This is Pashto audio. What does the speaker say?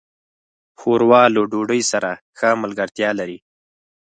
ښوروا له ډوډۍ سره ښه ملګرتیا لري.